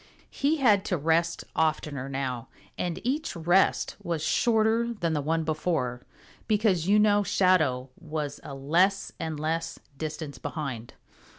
He had to rest oftener now, and each rest was shorter than the one before, because, you know, Shadow was a less and less distance behind.